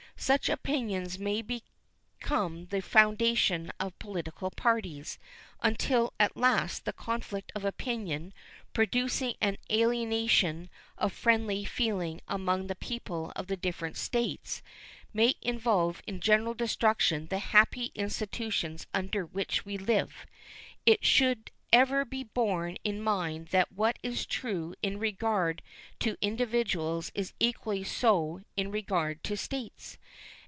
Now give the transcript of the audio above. Such opinions may become the foundation of political parties, until at last the conflict of opinion, producing an alienation of friendly feeling among the people of the different States, may involve in general destruction the happy institutions under which we live. It should ever be borne in mind that what is true in regard to individuals is equally so in regard to states.